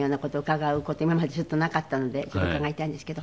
今までちょっとなかったので伺いたいんですけど。